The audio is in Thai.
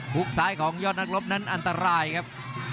กซ้ายของยอดนักรบนั้นอันตรายครับ